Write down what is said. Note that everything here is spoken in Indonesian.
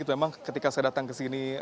itu memang ketika saya datang ke sini